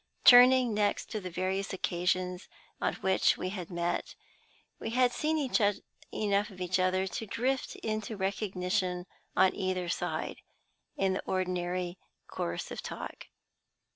Turning next to the various occasions on which we had met, had we seen enough of each other to drift into recognition on either side, in the ordinary course of talk?